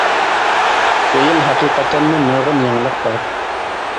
بۇ يىل ھەقىقەتەنمۇ نۇرغۇن يېڭىلىق بار.